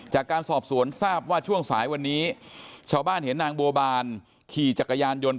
จากการสอบสวนทราบว่าช่วงสายวันนี้ชาวบ้านเห็นนางบัวบานขี่จักรยานยนต์